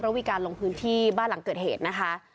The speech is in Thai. วิการลงพื้นที่บ้านหลังเกิดเหตุนะคะ